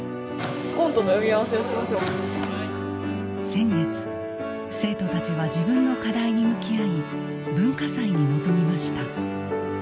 先月生徒たちは自分の課題に向き合い文化祭に臨みました。